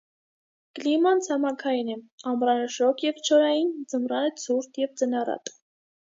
Կլիման ցամաքային է՝ ամռանը շոգ և չորային, ձմռանը՝ ցուրտ և ձնառատ։